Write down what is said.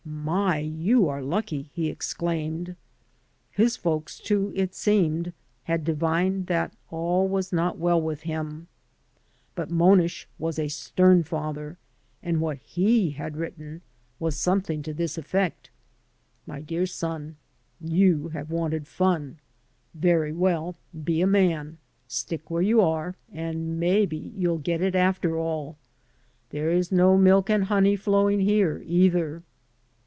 "My! you are lucky," he exclaimed. His folks, too, it seemed, had divined, that all was not well with him. But Monish was a stem father, and what he had written was something to 117 AN AMERICAN IN THE MAKING this effect: "My dear son, you have wanted fun. Very well, be a man; stick where you are, and maybe you'll get it, after all. There is no milk and honey flowing here, either."